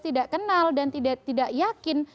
tidak kenal dan tidak yakin